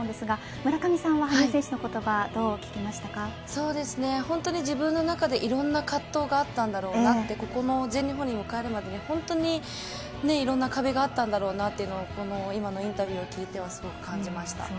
村上さんは、羽生選手の言葉本当に自分の中でいろいろな葛藤があったんだろうなって全日本を迎えるまで本当にいろいろな壁があったんだろうなっていうのも今のインタビューを聞いて感じました。